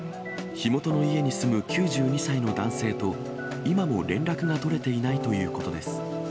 火元の家に住む９２歳の男性と、今も連絡が取れていないということです。